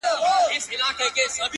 • د زمري او ګیدړانو غوړ ماښام وو ,